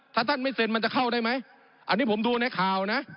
ถ้าท่านไม่เซ็นมันจะเข้าได้ไหมอันนี้ผมดูในข่าวนะ